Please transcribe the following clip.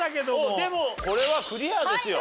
でもこれはクリアですよ。